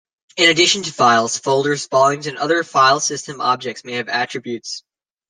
In addition to files, folders, volumes and other file system objects may have attributes.